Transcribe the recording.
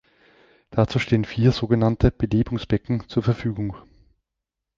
Dazu stehen vier sogenannte "Belebungsbecken" zur Verfügung.